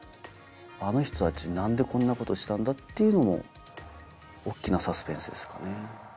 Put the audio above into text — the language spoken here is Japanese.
あの人たち何でこんなことしたんだっていうのも大っきなサスペンスですかね。